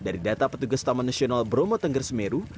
dari data petugas taman nasional bromo tengger semeru